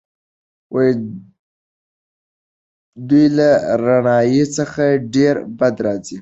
دوی له رڼایي څخه ډېر بد راځي.